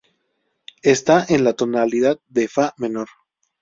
Está en la tonalidad de "fa "menor.